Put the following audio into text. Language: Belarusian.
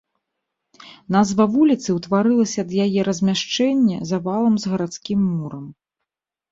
Назва вуліца ўтварылася ад яе размяшчэнне за валам з гарадскім мурам.